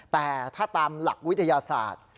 แต่ถ้าตามหลักวิทยาศาสตร์